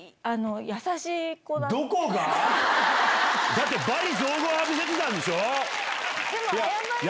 だって罵詈雑言浴びせてたんでしょ？